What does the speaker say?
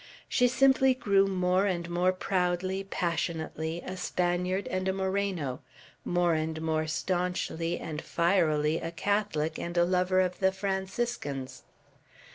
She simply grew more and more proudly, passionately, a Spaniard and a Moreno; more and more stanchly and fierily a Catholic, and a lover of the Franciscans.